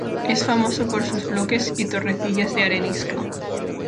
Es famoso por sus bloques y torrecillas de arenisca.